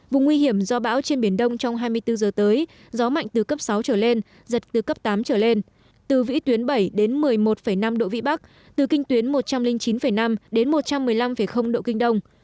vùng nguy hiểm do bão trên biển đông trong hai mươi bốn giờ tới gió mạnh từ cấp sáu trở lên giật từ cấp tám trở lên từ vĩ tuyến bảy đến một mươi một năm độ vĩ bắc từ kinh tuyến một trăm linh chín năm đến một trăm một mươi năm độ kinh đông